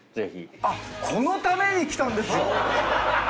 あっこのために来たんですよ！